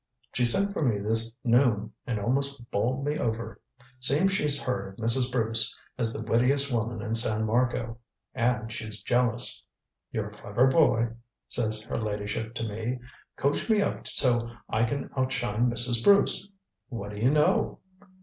She sent for me this noon and almost bowled me over. Seems she's heard of Mrs. Bruce as the wittiest woman in San Marco. And she's jealous. 'You're a clever boy,' says her ladyship to me. 'Coach me up so I can outshine Mrs. Bruce.' What do you know?"